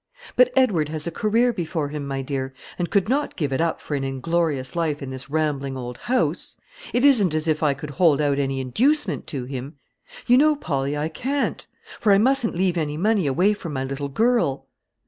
"But Edward has a career before him, my dear, and could not give it up for an inglorious life in this rambling old house. It isn't as if I could hold out any inducement to him: you know, Polly, I can't; for I mustn't leave any money away from my little girl."